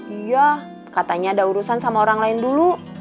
iya katanya ada urusan sama orang lain dulu